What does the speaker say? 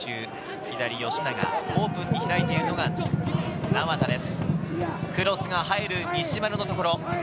左、吉永、オープンに開いているのが、名和田です。